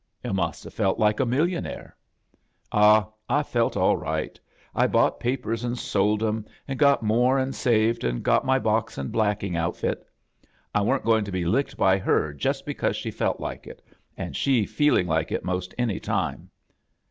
"Yo' must have felt like a millionaire." "Ah, I felt aU right I I bought papers ^; an' sold 'em, an' got more an* saved, an' got my bos an' blacking outfit. I weren't going to be licked by her just because she felt like it, an' she feeling like it most any time.